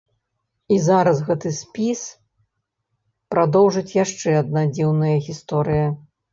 І зараз гэты спіс прадоўжыць яшчэ адна дзіўная гісторыя.